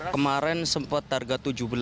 kemarin sempat harga tujuh belas